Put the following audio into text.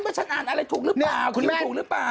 ฉันอ่านอะไรถูกหรือเปล่าคุณมันถูกหรือเปล่า